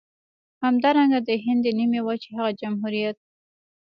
همدارنګه د هند د نيمې وچې هغه جمهوريت.